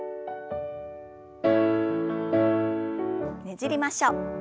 ねじりましょう。